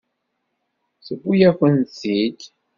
Tewwi-yakent-t-id.